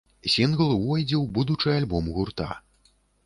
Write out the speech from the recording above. Сінгл увойдзе ў будучы альбом гурта.